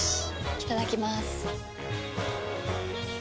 いただきまーす。